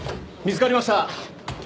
見つかりました！